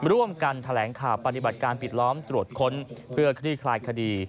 ร่วมกันแถลงข่าวปฏิบัติการปิดล้อมตรวจค้นเพื่อคลี่คลายคดี